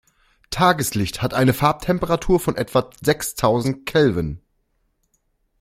Tageslicht hat eine Farbtemperatur von etwa sechstausend Kelvin.